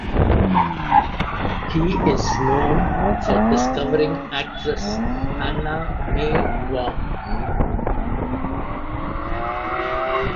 He is known for discovering actress Anna May Wong.